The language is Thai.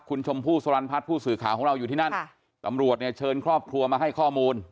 คุณชมพู่สรรพัฒน์ผู้สื่อข่าวของเราอยู่ที่นั่นตำรวจเนี่ยเชิญครอบครัวมาให้ข้อมูล